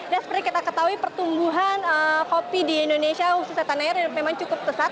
dan seperti kita ketahui pertumbuhan kopi di indonesia khususnya tanah air memang cukup pesat